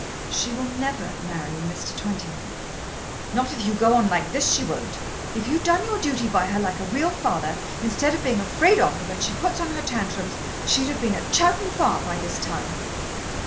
"She will never marry Mr. Twentyman." "Not if you go on like this she won't. If you'd done your duty by her like a real father instead of being afraid of her when she puts on her tantrums, she'd have been at Chowton Farm by this time."